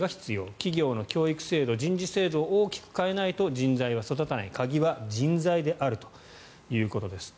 企業の教育制度、人事制度を大きく変えないと人材が育たない鍵は人材であるということです。